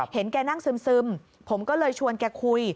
เห็นแกนั่งซึมผมก็เลยชวนแกคุย